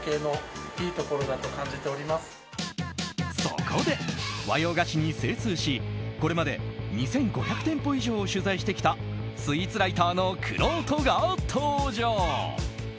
そこで、和洋菓子に精通しこれまで２５００店舗以上を取材してきたスイーツライターのくろうとが登場！